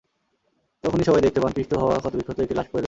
তখনই সবাই দেখতে পান পিষ্ট হওয়া ক্ষতবিক্ষত একটি লাশ পড়ে রয়েছে।